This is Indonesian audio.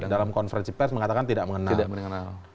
dalam konferensi pers mengatakan tidak mengenal